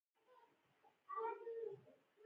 د کوچنیو سوداګریو مالیه څومره ده؟